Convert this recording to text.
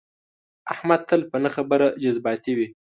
احمد تل په نه خبره جذباتي وي.